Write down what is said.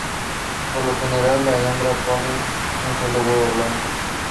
Por lo general la hembra pone un solo huevo blanco.